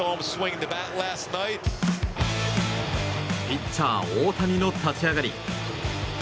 ピッチャー大谷の立ち上がり。